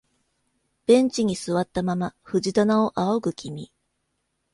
ベンチに座ったまま藤棚を仰ぐ君、